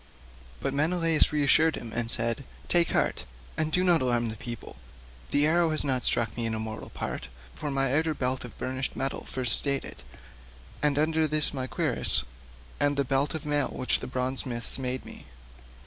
But Menelaus reassured him and said, "Take heart, and do not alarm the people; the arrow has not struck me in a mortal part, for my outer belt of burnished metal first stayed it, and under this my cuirass and the belt of mail which the bronze smiths made me."